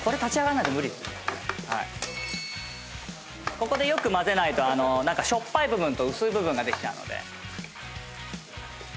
ここでよく混ぜないとしょっぱい部分と薄い部分ができちゃうので。